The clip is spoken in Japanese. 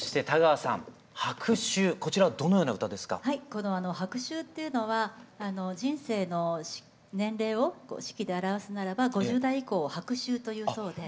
この「白秋」っていうのは人生の年齢を四季で表すならば５０代以降を白秋と言うそうで。